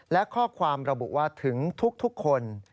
และข้อความระบุว่าถึงทุกคน